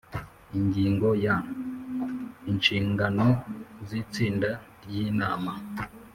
Ingingo ya Inshingano z itsinda ry inama